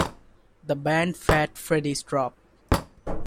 The band Fat Freddy's Drop.